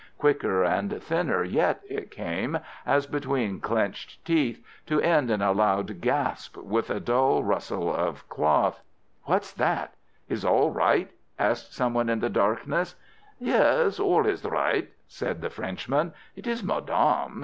Quicker and thinner yet it came, as between clenched teeth, to end in a loud gasp with a dull rustle of cloth. "What's that? Is all right?" someone asked in the darkness. "Yes, all is right," said the Frenchman. "It is madame.